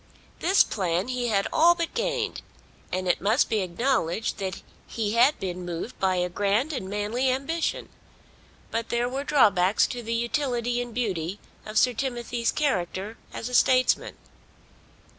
This plan he had all but gained, and it must be acknowledged that he had been moved by a grand and manly ambition. But there were drawbacks to the utility and beauty of Sir Timothy's character as a statesman.